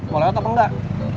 mau lewat apa enggak